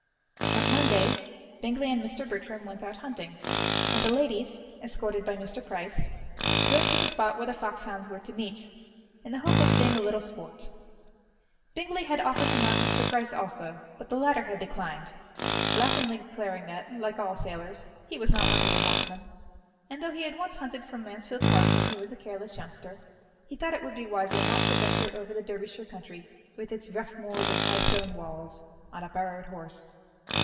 On Monday, Bingley and Mr. Bertram went out hunting, and the ladies, escorted by Mr. Price, drove to the spot where the foxhounds were to meet, in the hope of seeing a little sport. Bingley had offered to mount Mr. Price also, but the latter had declined, laughingly declaring that, like all sailors, he was not much of a horseman, and though he had once hunted from Mansfield Park when he was a careless youngster, he thought it would be wiser not to venture over the Derbyshire country, with its rough moors and high stone walls, on a borrowed horse.